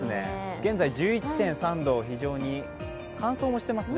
現在１１．３度、非常に乾燥もしてますね。